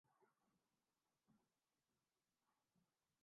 افغانستان کے ہاتھوں شکست کے بعد سری لنکا ایشیا کپ سے باہر